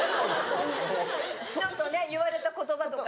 ちょっとね言われた言葉とか。